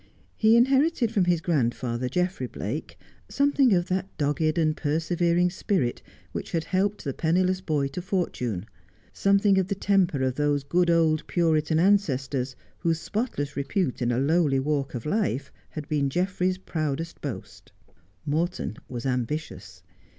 He inherited from his grandfather. Geoffrey Blake, something of that dogged and persevering spirit which had helped the penniless boy to fortune — something of the temper of those good old Puritan ancestors whose spotless repute in a lowly walk of life had been Geoffreys proudest boast. Morton was ambitious.